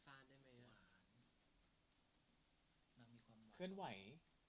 เพิ่งไหว